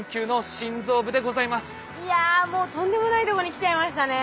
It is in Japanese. いやもうとんでもないとこに来ちゃいましたね。